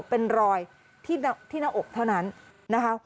เป็นรอยที่หน้าอกเท่านั้นนะคะ